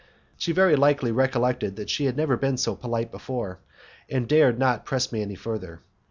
She very likely recollected that she had never been so polite before, and dared not press me any further.